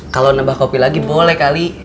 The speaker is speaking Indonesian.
kalau nambah kopi lagi boleh kali